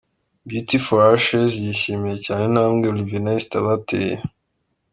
Beauty For Ashes yishimiye cyane intambwe Olivier na Esther bateye.